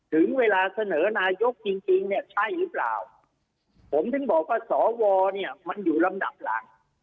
ถึงเวลาเสนอนายกจริงจริงเนี่ยใช่หรือเปล่าผมถึงบอกว่าสวเนี่ยมันอยู่ลำดับหลัง